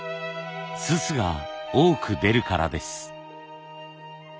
すすが多く出るからです。